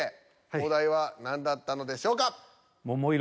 お題は何だったのでしょうか？